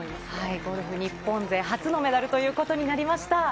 ゴルフ、日本勢で初のメダルということなりました。